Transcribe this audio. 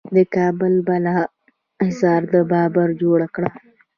د کابل بالا حصار د بابر جوړ کړ